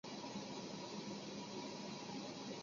分解似美花介为似美花介科似美花介属下的一个种。